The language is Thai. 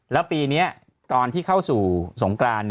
แล้วปีนี้ตอนที่เข้าสู่สงกราน